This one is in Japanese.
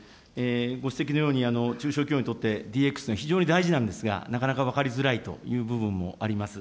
ご指摘のように、中小企業にとってＤＸは非常に大事なんですが、なかなか分かりづらいという部分もあります。